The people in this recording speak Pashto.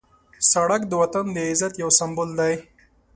سړک د وطن د عزت یو سمبول دی.